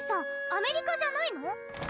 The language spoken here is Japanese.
アメリカじゃないの？